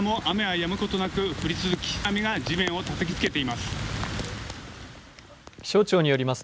やむことなく降り続き雨が地面をたたきつけています。